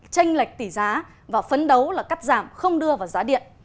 tranh lệch tỷ giá và phấn đấu là cắt giảm không đưa vào giá điện